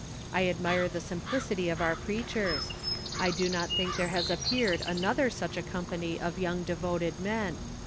... I admire the simplicity of our preachers. I do not think there has appeared another such a company of young devoted men.